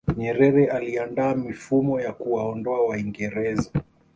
nyerere aliandaa mifumo ya kuwaondoa waingereza